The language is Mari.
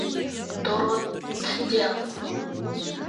ДОРОТДЕЛ